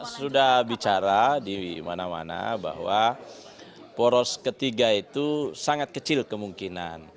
sudah bicara di mana mana bahwa poros ketiga itu sangat kecil kemungkinan